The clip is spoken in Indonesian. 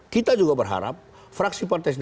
kita juga berharap fraksi partai